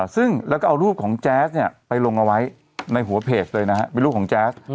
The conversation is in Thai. ซึ่งแล้วก็เอารูปของแจ๊สเนี่ยไปลงเอาไว้ในหัวเพจเลยนะฮะเป็นรูปของแจ๊ส